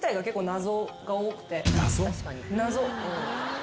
謎？